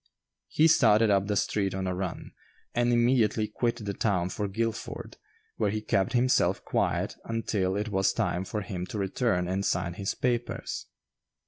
He started up the street on a run, and immediately quit the town for Guilford, where he kept himself quiet until it was time for him to return and sign his papers.